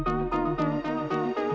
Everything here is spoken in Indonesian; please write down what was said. penjuri tolong tolong